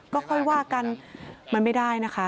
ก็ค่อยว่ากันมันไม่ได้นะคะ